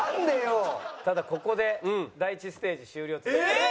ただここで第１ステージ終了となります。